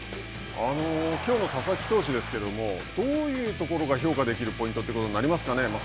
きょうの佐々木投手ですけれどもどういうところが評価できるポイントということになりますかね。